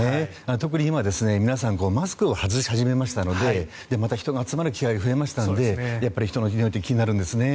特に今、皆さんマスクを外し始めましたのでまた、人の集まる機会が増えましたので人のにおいって気になるんですね。